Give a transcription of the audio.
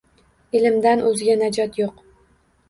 Ilmdan oʻzga najot yoʻq.